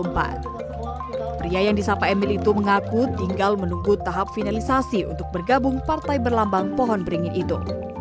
pria yang disapa emil itu mengaku tinggal menunggu tahap finalisasi untuk bergabung partai berlambang pohon beringin itu